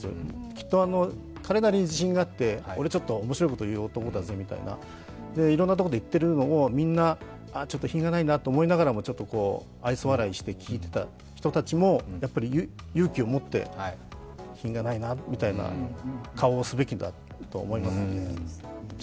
きっと彼なりに自信があって、俺ちょっと面白いこと言うぜみたいなことで、いろいろなところで言っているのを、みんな品がないなと思いながらも愛想笑いして聞いていた人たちも、やっぱり勇気を持って、品がないなみたいな顔をすべきだとは思います。